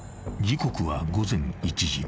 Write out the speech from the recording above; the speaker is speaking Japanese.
［時刻は午前１時］